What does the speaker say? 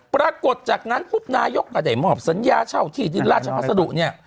ปรากฏจากนั้นทุกนายกกระเด่มหอบสัญญาเช่าที่ราชภาษฎุเนี่ย